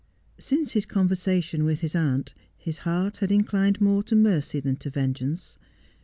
Since his conversation with his aunt, his heart had inclined more to mercy than to vengeance.